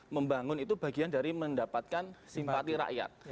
membangun itu bagian dari mendapatkan simpati rakyat